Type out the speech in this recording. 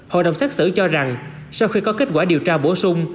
hội đồng xét xử cho rằng sau khi có kết quả điều tra bổ sung